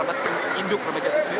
memang harga induk ramadjati sendiri